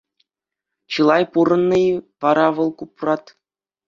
Чылай пурӑннӑ-и вара вӑл Купрат?